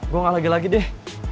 gue gak lagi lagi deh